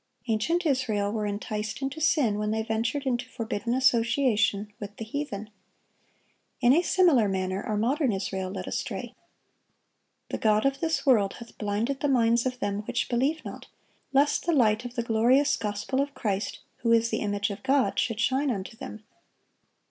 Ancient Israel were enticed into sin when they ventured into forbidden association with the heathen. In a similar manner are modern Israel led astray. "The god of this world hath blinded the minds of them which believe not, lest the light of the glorious gospel of Christ, who is the image of God, should shine unto them."